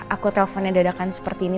aku telponnya dadakan seperti ini